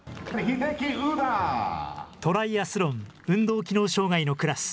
トライアスロン運動機能障害のクラス。